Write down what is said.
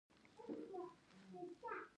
رقیب زما د ارادې قوی کوي